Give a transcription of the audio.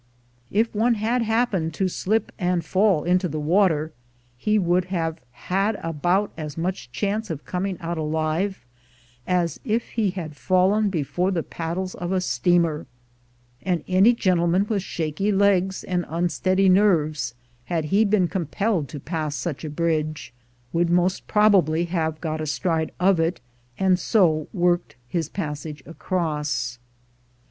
If one had happened to slip and fall into the water, he would have had about as much chance of coming out alive as if he had fallen before the paddles of a steamer; and any gentleman with shaky legs and unsteady nerves, had he been compelled to pass such a bridge, would most probably have got astride of it, and so worked his passage across.